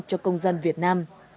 cho công dân việt nam